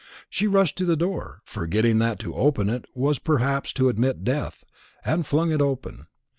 She rushed to the door, forgetting that to open it was perhaps to admit death, and flung it open.